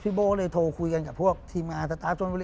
พี่โบ้เลยโทรคุยกันกับพวกทีมงานสตาร์ท